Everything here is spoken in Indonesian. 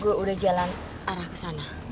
gue udah jalan arah kesana